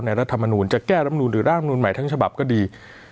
ในรัฐธรรมนูญจะแก้รัฐธรรมนูญหรือได้รัฐธรรมนูญใหม่ทั้งฉบับก็ดี